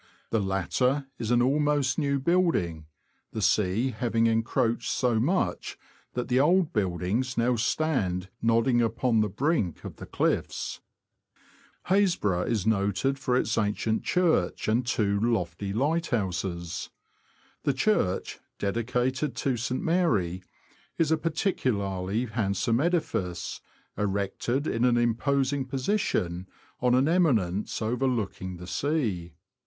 The latter is an almost new building, the sea having encroached so much that the old buildings now stand nodding upon the brink of the cliffs. Happisburgh is noted for its ancient church and two lofty lighthouses. The church, dedicated to St. Mary, is a particularly handsome edifice, erected in an imposing position, on an eminence overlooking the sea.